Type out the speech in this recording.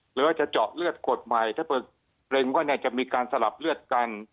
หรือว่าจะเจาะเลือดกดใหม่ถ้าเกิดเกรงว่าจะมีการสลับเลือดกัน